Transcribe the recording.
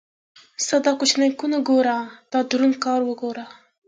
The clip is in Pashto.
ستا دا کوچنۍ کونه ګوره دا دروند کار وګوره.